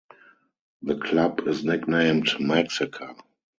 The club is nicknamed "Maxaca".